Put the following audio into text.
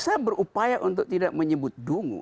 saya berupaya untuk tidak menyebut dungu